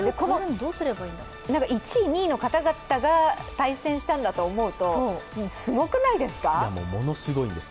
１位、２位の方々が対戦したんだと思うと、いや、ものすごいんです。